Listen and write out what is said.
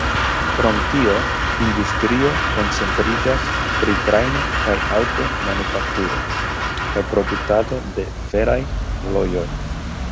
Krom tio, industrio koncentriĝas pri trajno- kaj aŭto-manufakturo kaj produktado de feraj alojoj.